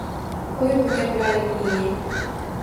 Qo`y, bu gaplarni-e